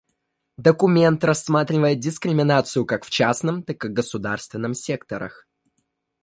Документ рассматривает дискриминацию как в частном, так и государственном секторах.